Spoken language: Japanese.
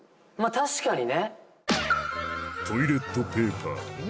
確かにね